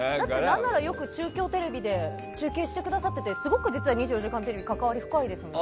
何なら、よく中京テレビで中継してくださっててすごく実は「２４時間テレビ」関わり深いですよね。